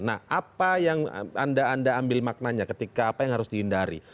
nah apa yang anda ambil maknanya ketika apa yang harus dihindari